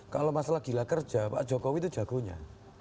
kalau masalah gila kerja pak jokowi itu jagonya